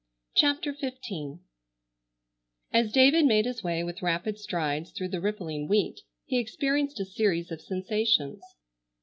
CHAPTER XV As David made his way with rapid strides through the rippling wheat, he experienced a series of sensations.